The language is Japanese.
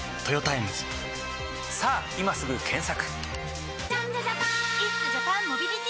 さぁ今すぐ検索！